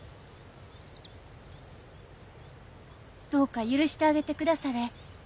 どうか許してあげてくだされ。